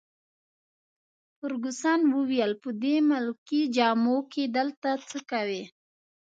فرګوسن وویل: په دې ملکي جامو کي دلته څه کوي؟